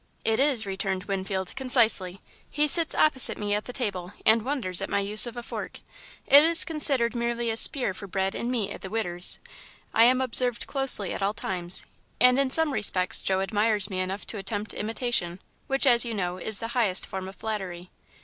"It is," returned Winfield, concisely. "He sits opposite me at the table, and wonders at my use of a fork. It is considered merely a spear for bread and meat at the 'Widder's.' I am observed closely at all times, and in some respects Joe admires me enough to attempt imitation, which, as you know, is the highest form of flattery.